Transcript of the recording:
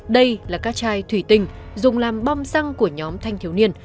đây là các chai thủy tinh dùng làm bom xăng của nhóm thanh thiếu niên